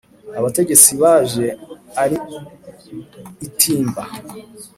abategetsi baje ari itimba